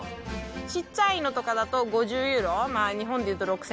ちっちゃいのとかだと５０ユーロ。